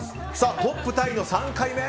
トップタイの３回目！